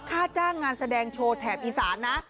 ค่าจ้างงานแสดงโชว์แถบอีสานนะ